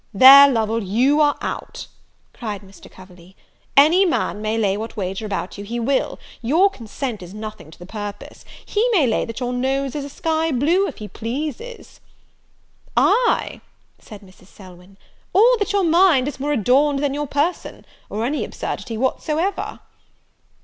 "There, Lovel, you are out," cried Mr. Coverley, "any man may lay what wager about you he will; your consent is nothing to the purpose: he may lay that your nose is a sky blue, if he pleases." "Ay," said Mrs. Selwyn, "or that your mind is more adorned than your person; or any absurdity whatsoever."